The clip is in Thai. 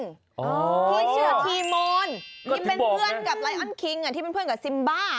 ที่ชื่อทีโมนที่เป็นเพื่อนกับไลออนคิงที่เป็นเพื่อนกับซิมบ้า